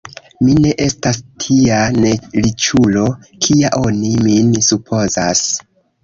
Mi ne estas tia neriĉulo, kia oni min supozas.